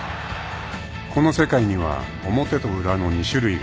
［この世界には表と裏の２種類がある］